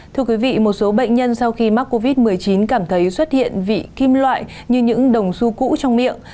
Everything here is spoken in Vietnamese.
thưa quý vị một số bệnh nhân sau khi mắc covid một mươi chín cảm thấy xuất hiện vị kim loại như những đồng su cũ trong miệng